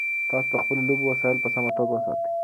تاسو د خپلو لوبو وسایل په سمه توګه وساتئ.